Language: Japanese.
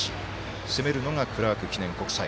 攻めるのがクラーク記念国際。